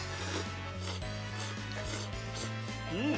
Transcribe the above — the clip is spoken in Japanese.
うん！